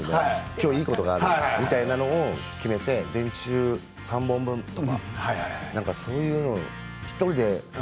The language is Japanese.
きょうはいいことがあるみたいなものを決めて電柱３本分とかそういうのを１人で。